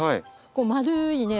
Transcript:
丸いね